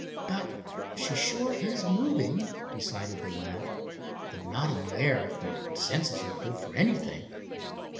"But she sure is moving," decided the lad, "though not in the air, if my senses are good for anything.